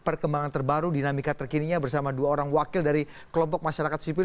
kami akan membahas bagaimana perkembangan terbaru dinamika terkininya bersama dua orang wakil dari kelompok masyarakat sipil